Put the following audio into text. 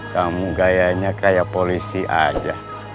kamu gayanya kayak polisi aja